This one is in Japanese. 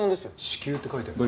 「至急！」って書いてある。